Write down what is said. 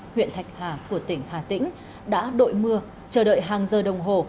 huyện thạch hà của tỉnh hà tĩnh đã đội mưa chờ đợi hàng giờ đồng hồ